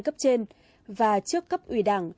cấp trên và trước cấp ủy đảng